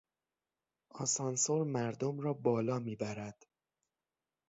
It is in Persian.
آسانسور مردم را بالا میبرد.